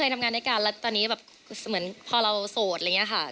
ทำงานด้วยกันแล้วตอนนี้แบบเหมือนพอเราโสดอะไรอย่างนี้ค่ะ